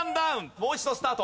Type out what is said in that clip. もう一度スタート。